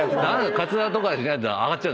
カツラとかしないと上がっちゃうんですね。